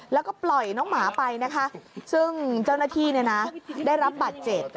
แล้วก็ปล่อยน้องหมาไปนะคะซึ่งเจ้าหน้าที่ได้รับบาดเจ็บ